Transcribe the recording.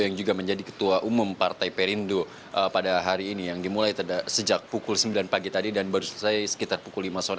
yang juga menjadi ketua umum partai perindo pada hari ini yang dimulai sejak pukul sembilan pagi tadi dan baru selesai sekitar pukul lima sore